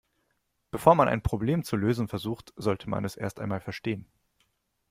Bevor man ein Problem zu lösen versucht, sollte man es erst einmal verstehen.